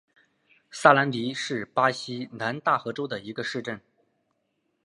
萨兰迪是巴西南大河州的一个市镇。